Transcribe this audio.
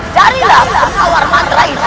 jarinlah penawar mantra ini